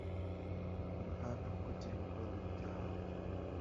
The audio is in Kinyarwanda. uri hafi kuko turi gukorana bya hafi